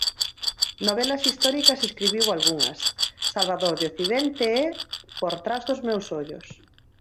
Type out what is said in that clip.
Novelas históricas escribiu algunhas: Salvador de occidente e Por tras dos meus ollos.